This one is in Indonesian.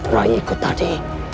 rai kau tadi